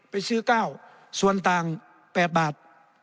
ไปซื้อ๙ส่วนต่าง๘บาท